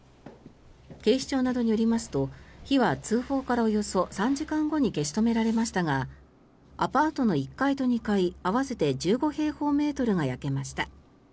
警視庁などによりますと火は通報からおよそ３時間後に消し止められましたがアパートの１階と２階合わせて１５平方メートルが焼けました。